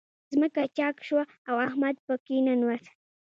ځمکه چاک شوه، او احمد په کې ننوت.